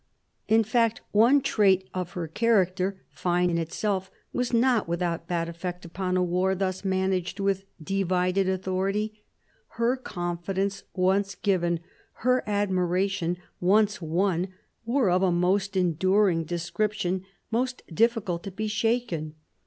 In fact one trait of her 1757 60 THE SEVEN YEARS* WAR 151 character, fine in itself, was not without bad effect upon a war thus managed with divided authority. Her con fidence once given, her admiration once won, were of a most enduring description, most difficult to be shaken.